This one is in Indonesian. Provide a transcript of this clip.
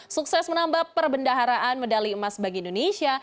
sukses menambah perbendaharaan medali emas bagi indonesia